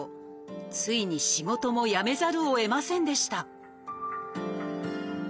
ついに仕事も辞めざるをえませんでした